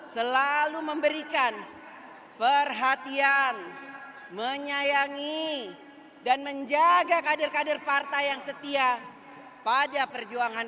selalu memberikan perhatian menyayangi dan menjaga kader kader partai yang setia pada perjuangan